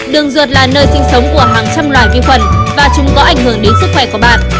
đường ruột là nơi sinh sống của hàng trăm loài vi khuẩn và chúng có ảnh hưởng đến sức khỏe của bạn